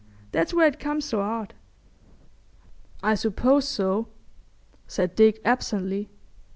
That's where it comes so 'ard.'" "I suppose so," said Dick, absently.